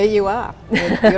mimpimu sudah ternyata